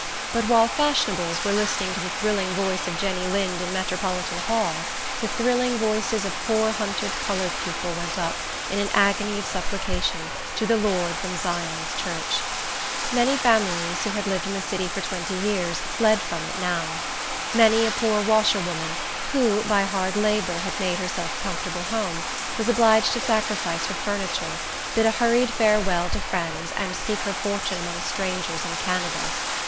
But while fashionables were listening to the thrilling voice of Jenny Lind in Metropolitan Hall, the thrilling voices of poor hunted colored people went up, in an agony of supplication, to the Lord, from Zion's church. Many families, who had lived in the city for twenty years, fled from it now. Many a poor washerwoman, who, by hard labor, had made herself a comfortable home, was obliged to sacrifice her furniture, bid a hurried farewell to friends, and seek her fortune among strangers in Canada.